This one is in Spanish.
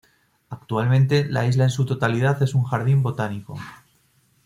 Actualmente la isla en su totalidad es un jardín botánico.